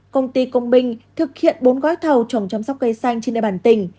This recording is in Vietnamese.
công ty công binh thực hiện bốn gói thầu trồng chăm sóc cây xanh trên địa bàn tỉnh